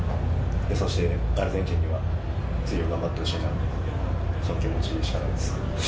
そして、アルゼンチンには、次も頑張ってほしいなと、その気持ちしかないです。